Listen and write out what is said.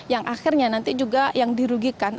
yang akhirnya nanti juga yang dirugikan